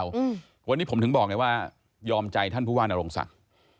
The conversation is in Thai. วันนี้ผมถึงบอกเนี่ยว่ายอมใจท่านภูวานโรงศักดิ์